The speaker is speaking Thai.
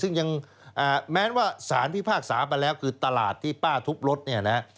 ซึ่งยังแม้ว่าสารพิพากษาไปแล้วคือตลาดที่ป้าทุบรถเนี่ยนะฮะ